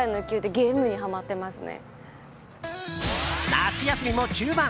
夏休みも中盤。